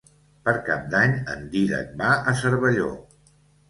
Per Cap d'Any en Dídac va a Cervelló.